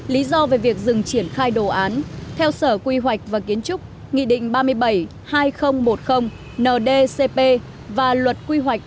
lý do về việc dừng triển khai đồ án theo sở quy hoạch và kiến trúc nghị định ba mươi bảy hai nghìn một mươi ndcp và luật quy hoạch